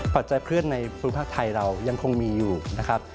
ปัจจัยเพื่อนในภูมิภาคไทยเรายังคงมีอยู่นะครับ